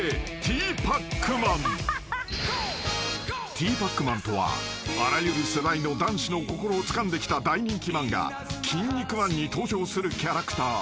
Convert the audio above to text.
［ティーパックマンとはあらゆる世代の男子の心をつかんできた大人気漫画『キン肉マン』に登場するキャラクター］